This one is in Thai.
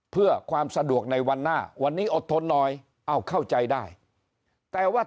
เพื่อความสะดวกในวันหน้าวันนี้อดทนหน่อยเอ้าเข้าใจได้แต่ว่า